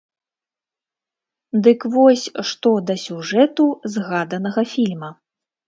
Дык вось, што да сюжэту згаданага фільма.